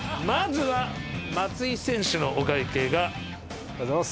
まずは、松井選手のお会計が。